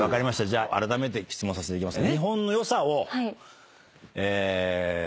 じゃああらためて質問させていただきます。